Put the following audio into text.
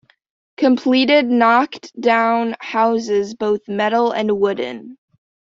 Completed knocked down houses both metal and wooden.